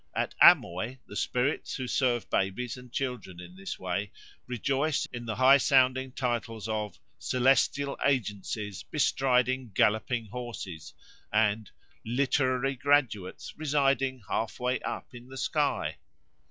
At Amoy the spirits who serve babies and children in this way rejoice in the high sounding titles of "celestial agencies bestriding galloping horses" and "literary graduates residing halfway up in the sky."